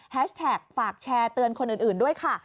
แท็กฝากแชร์เตือนคนอื่นด้วยค่ะ